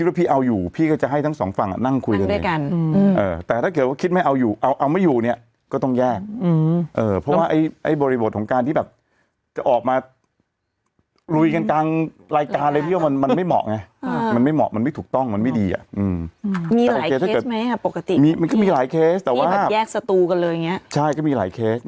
แล้วใช้วิธีกันคือแยกสตูไปแล้วก็เวลาสัมภาษณ์ก็คือโฟนกันอย่างนี้เหรอ